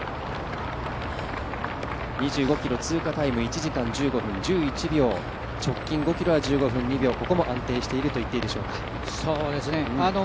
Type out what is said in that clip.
１時間１５分１６秒、直近５ｋｍは１５分２秒、ここも安定していると言っていいでしょうか。